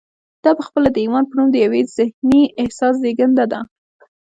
دا پخپله د ایمان په نوم د یوه ذهني احساس زېږنده ده